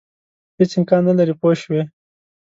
هېڅ امکان نه لري پوه شوې!.